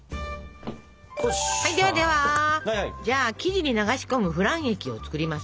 ではではじゃあ生地に流し込むフラン液を作りますよ。